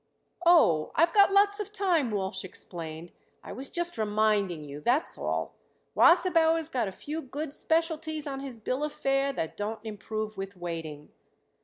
"Oh, I've got lots of time," Walsh explained. "I was just reminding you, that's all. Wasserbauer's got a few good specialties on his bill of fare that don't improve with waiting."